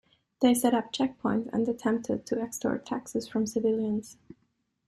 They set up checkpoints, and attempted to extort "taxes" from civilians.